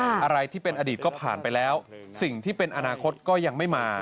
อะไรที่เป็นอดีตก็ผ่านไปแล้วสิ่งที่เป็นอนาคตก็ยังไม่มา